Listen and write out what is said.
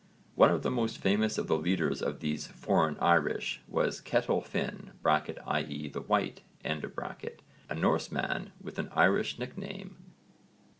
One of the most famous of the leaders of these 'foreign Irish' was Ketill Finn (i.e. the White), a Norseman with an Irish nickname.